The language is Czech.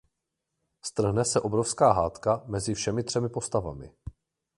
Strhne se obrovská hádka mezi všemi třemi postavami.